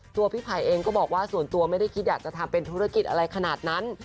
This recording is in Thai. พี่ไผ่เองก็บอกว่าส่วนตัวไม่ได้คิดอยากจะทำเป็นธุรกิจอะไรขนาดนั้น